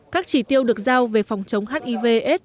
các chỉ tiêu được giao về phòng chống hiv aids